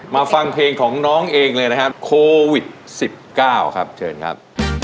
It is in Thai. ฟังเพลงของน้องเองเลยนะครับโควิด๑๙ครับเชิญครับ